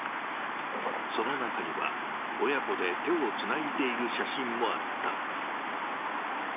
その中には、親子で手をつないでいる写真もあった。